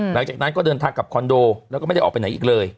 หลังจากนั้นก็เดินทางกลับคอนโดแล้วก็ไม่ได้ออกไปไหนอีกเลย